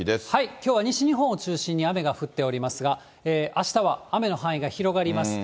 きょうは西日本を中心に雨が降っておりますが、あしたは雨の範囲が広がります。